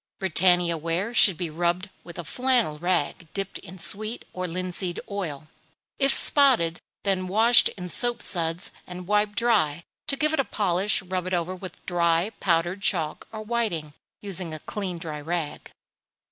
Britannia ware should be rubbed with a flannel rag dipped in sweet or linseed oil, if spotted, then washed in soap suds, and wiped dry. To give it a polish, rub it over with dry powdered chalk or whiting, using a clean dry rag.